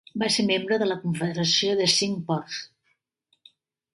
Va ser membre de la Confederació de Cinque Ports.